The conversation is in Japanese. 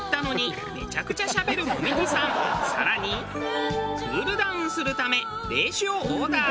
更にクールダウンするため冷酒をオーダー。